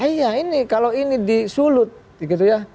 iya ini kalau ini disulut gitu ya